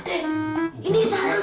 eh ini sarang